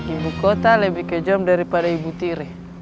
ibu kota lebih kejam daripada ibu tiri